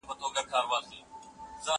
کوس گټي کولې مرگی ئې هير وو.